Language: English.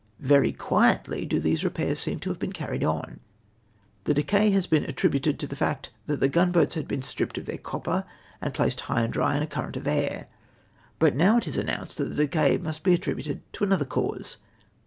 Very quietly do these repairs seem to have been carried on. The decay has been attributed to the fact that the gunboats had been stripped of their copper, and placed high and dry in a current of air. But now it is announced that the decay must lie attri1)uted to another cause.